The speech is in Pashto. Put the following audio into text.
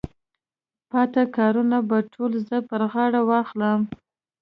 پاتې کارونه به ټول زه پر غاړه واخلم.